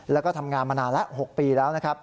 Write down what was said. และก็ทำงานมานานละ๖ปีแล้ว